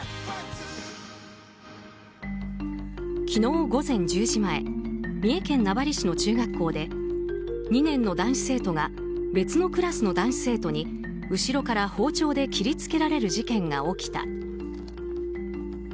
昨日午前１０時前三重県名張市の中学校で２年の男子生徒が別のクラスの男子生徒に後ろから包丁で切り付けられる事件が起きた。